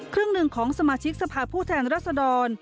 ครึ่งหนึ่งของสมาชิกสภาพผู้แทนรัศดร